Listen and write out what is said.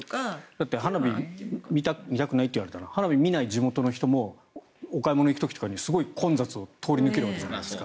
だって花火見たくないと言われたら花火を見ない地元の人もお買い物行く時に混雑を通るわけじゃないですか。